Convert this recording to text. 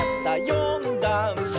「よんだんす」